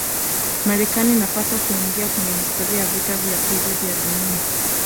marekani inapaswa kuingia kwenye historia ya vita vya pili vya dunia